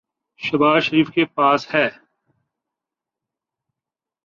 شہباز شریف کے پاس ہے۔